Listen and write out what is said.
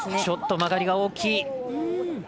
ちょっと曲がりが大きい。